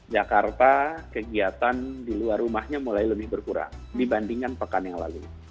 jakarta kegiatan di luar rumahnya mulai lebih berkurang dibandingkan pekan yang lalu